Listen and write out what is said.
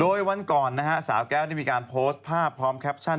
โดยวันก่อนนะฮะสาวแก้วได้มีการโพสต์ภาพพร้อมแคปชั่น